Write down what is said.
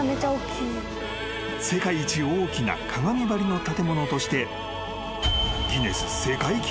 ［世界一大きな鏡張りの建物として］